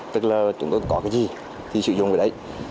tức là chúng tôi có cái gì thì sử dụng cái đấy